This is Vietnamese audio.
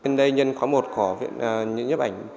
nhân khóa một của nhếp ảnh